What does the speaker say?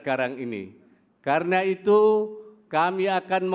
nentang tingkat kesehatan dari harlem dan negara